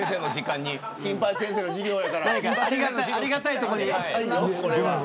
金八先生の授業やから。